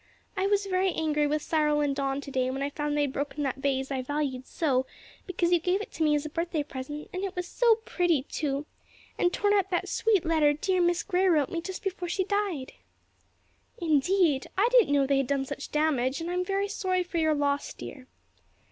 I was very angry with Cyril and Don to day when I found they'd broken that vase I valued so because you gave it to me as a birthday present; and it was so pretty too and torn up that sweet letter dear Miss Grey wrote me just before she died." "Indeed! I didn't know they had done such damage and I am very sorry for your loss, dear!"